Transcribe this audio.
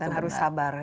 dan harus sabar